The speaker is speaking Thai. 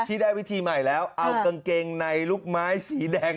ได้วิธีใหม่แล้วเอากางเกงในลูกไม้สีแดง